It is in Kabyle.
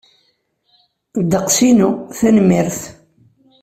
Ddeqs-inu, tanemmirt.